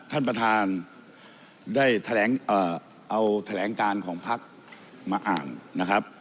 ท่านประธานได้เอาแทรงการของภักร์มาอ่านนะครับ